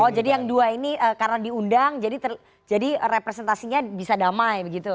oh jadi yang dua ini karena diundang jadi representasinya bisa damai begitu